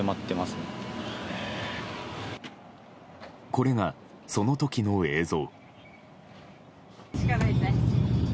これが、その時の映像。